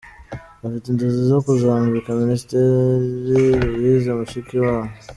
Afite inzozi zo kuzambika Minisitiri Louise Mushikiwabo.